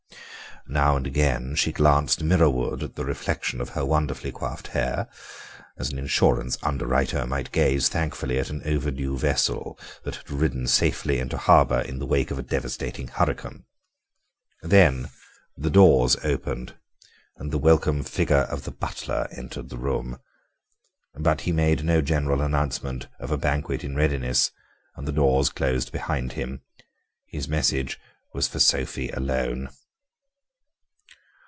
Now and again she glanced mirror ward at the reflection of her wonderfully coiffed hair, as an insurance underwriter might gaze thankfully at an overdue vessel that had ridden safely into harbour in the wake of a devastating hurricane. Then the doors opened and the welcome figure of the butler entered the room. But he made no general announcement of a banquet in readiness, and the doors closed behind him; his message was for Sophie alone.